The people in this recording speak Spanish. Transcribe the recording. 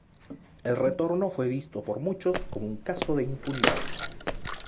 El retorno fue visto por muchos como un caso de impunidad.